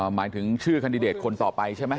หมายถึงชื่อคันดิเดตคนต่อไปใช่ไหม